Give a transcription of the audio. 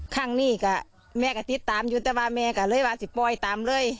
ข้างนี้ก็แม่ก็ติดตามอยู่แต่ว่าแม่ก็เลยว่าสิปอยตามเลย